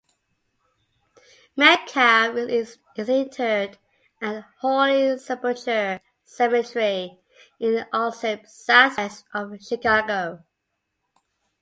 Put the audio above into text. Metcalfe is interred at Holy Sepulchre Cemetery in Alsip, southwest of Chicago.